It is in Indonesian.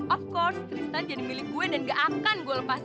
of course kristen jadi milik gue dan gak akan gue lepas